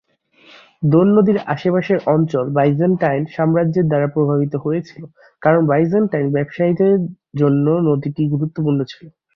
দোন নদীর আশেপাশের অঞ্চল বাইজেন্টাইন সাম্রাজ্যের দ্বারা প্রভাবিত হয়েছিল কারণ বাইজেন্টাইন ব্যবসায়ীদের জন্য নদীটি গুরুত্বপূর্ণ ছিল।